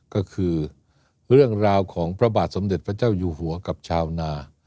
ก็คือเรื่องราวของพระบาทสมเด็จพระเจ้าอยู่หัวกับชาวนา